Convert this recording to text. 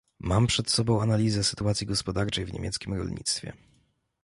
Mam przed sobą analizę sytuacji gospodarczej w niemieckim rolnictwie